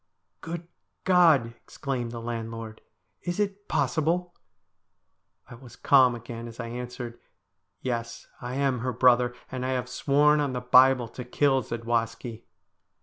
' Good God ! exclaimed the landlord, ' is it possible !' I was calm again as I answered, ' Yes, I am her brother, and I have sworn on the Bible to kill Zadwaski.'